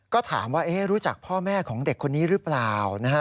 ก็ถามว่ารู้จักพ่อแม่ของเด็กคนนี้หรือเปล่านะฮะ